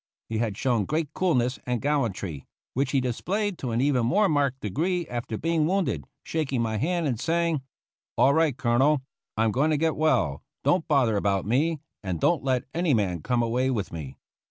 He had shown great coolness and gallantry, which he displayed to an even more marked degree after being wounded, shaking my hand and saying, "All right, Colonel, I'm going to get well. Don't bother about me, and don't let any man come away with me."